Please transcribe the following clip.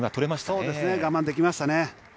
そうですね、我慢できましたね。